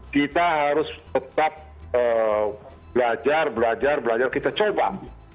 kita harus tetap belajar belajar belajar belajar kita coba